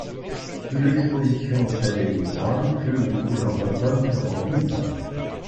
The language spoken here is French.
Plus l'exposition au soleil est grande, plus les couleurs d'automne seront vives.